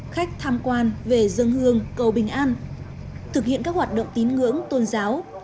khách tham quan về dân hương cầu bình an thực hiện các hoạt động tín ngưỡng tôn giáo